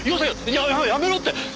ややめろって！